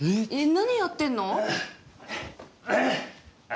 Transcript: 何やってんの？え？